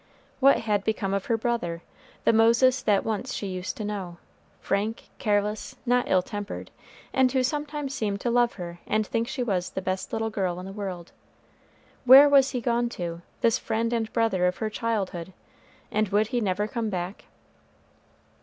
What had become of her brother? the Moses that once she used to know frank, careless, not ill tempered, and who sometimes seemed to love her and think she was the best little girl in the world? Where was he gone to this friend and brother of her childhood, and would he never come back?